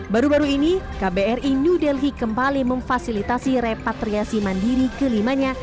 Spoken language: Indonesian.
baru baru ini kbri new delhi kembali memfasilitasi repatriasi mandiri kelimanya